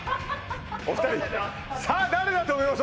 お二人さあ誰だと思います？